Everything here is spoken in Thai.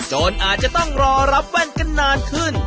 จนอาจจะต้องรอรับแว่นกันนานขึ้น